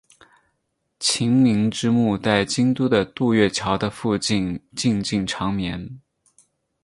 晴明之墓在京都的渡月桥的附近静静长眠。